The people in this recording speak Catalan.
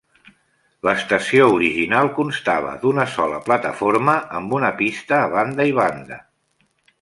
L'estació original constava d'una sola plataforma amb una pista a banda i banda.